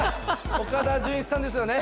岡田准一さんですよね？